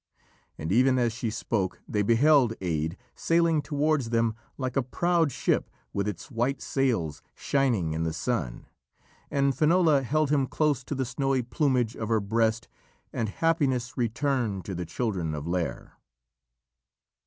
And even as she spoke, they beheld Aed sailing towards them like a proud ship with its white sails shining in the sun, and Finola held him close to the snowy plumage of her breast, and happiness returned to the children of Lîr.